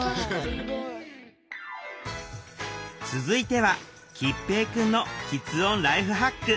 続いては桔平くんのきつ音ライフハック。